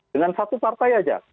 dengan satu partai saja